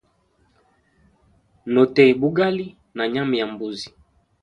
No teya bugali na nyama ya mbuzi.